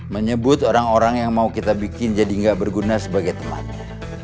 menyebut orang orang yang mau kita bikin jadi nggak berguna sebagai temannya